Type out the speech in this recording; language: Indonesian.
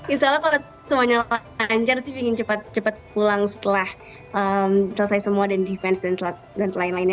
insya allah kalau semuanya lancar sih pingin cepat pulang setelah selesai semua dan defense dan lain lainnya